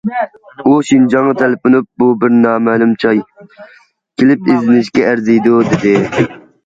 ئۇ شىنجاڭغا تەلپۈنۈپ:« بۇ بىر نامەلۇم جاي، كېلىپ ئىزدىنىشكە ئەرزىيدۇ»، دېدى.